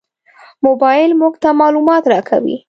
موبایل موږ ته معلومات راکوي.